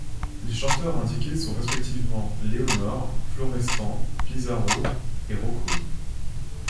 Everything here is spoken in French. Les chanteurs indiqués sont respectivement Leonore, Florestan, Pizarro et Rocco.